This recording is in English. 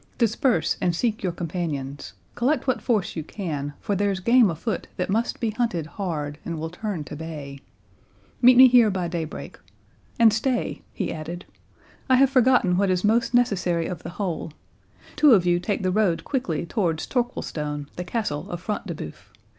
"Disperse and seek your companions. Collect what force you can, for there's game afoot that must be hunted hard, and will turn to bay. Meet me here by daybreak.—And stay," he added, "I have forgotten what is most necessary of the whole—Two of you take the road quickly towards Torquilstone, the Castle of Front de Bœuf.